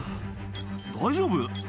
大丈夫？